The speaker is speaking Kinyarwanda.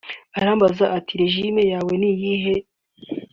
arambaza ati wowe régime yawe ni iyihe